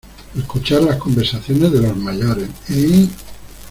escuchar las conversaciones de los mayores? ¿ eh ?